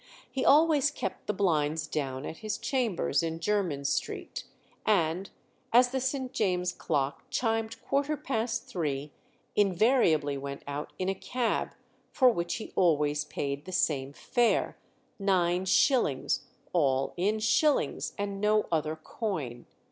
He always kept the blinds down at his chambers in Jermyn Street; and as the St. James's clock chimed quarter past three, invariably went out in a cab, for which he always paid the same fare, nine shillings, all in shillings, and no other coin.